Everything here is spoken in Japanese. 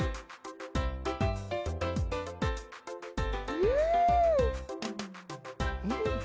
うん！